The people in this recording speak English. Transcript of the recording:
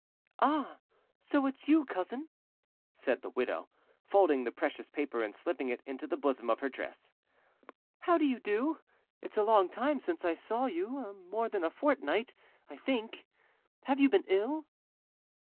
"Ah! so it's you, cousin?" said the widow, folding the precious paper and slipping it into the bosom of her dress. "How do you do? It's a long time since I saw you, more than a fortnight, I think. Have you been ill?"